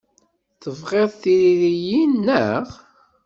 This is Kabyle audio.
Tebɣiḍ tiririyin, naɣ?